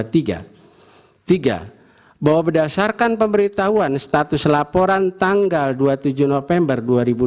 tiga bahwa berdasarkan pemberitahuan status laporan tanggal dua puluh tujuh november dua ribu dua puluh